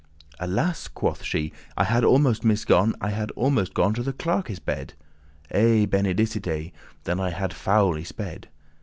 "Alas!" quoth she, "I had almost misgone I had almost gone to the clerkes' bed. Ey! Benedicite, then had I foul y sped."